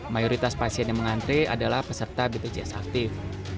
mayoritas pasien yang mengantre adalah peserta bpjs aktif